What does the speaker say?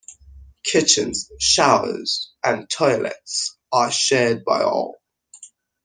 Kitchens, showers, and toilets are shared by all.